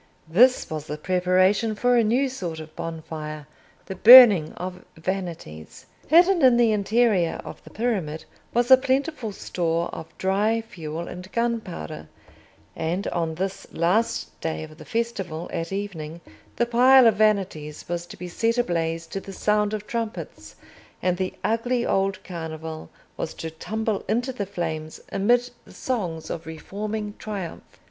This was the preparation for a new sort of bonfire—the Burning of Vanities. Hidden in the interior of the pyramid was a plentiful store of dry fuel and gunpowder; and on this last day of the festival, at evening, the pile of vanities was to be set ablaze to the sound of trumpets, and the ugly old Carnival was to tumble into the flames amid the songs of reforming triumph.